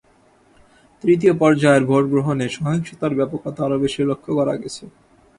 তৃতীয় পর্যায়ের ভোট গ্রহণে সহিংসতার ব্যাপকতা আরও বেশি লক্ষ করা গেছে।